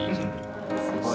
・すごい。